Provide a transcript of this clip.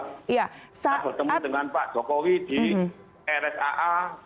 kita bertemu dengan pak jokowi di rsaa